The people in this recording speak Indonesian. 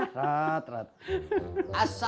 tati boleh ikut gak mbak